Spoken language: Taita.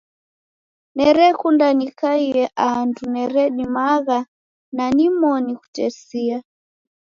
Nerekunda nikaie andu neredimagha na nimoni kutesia.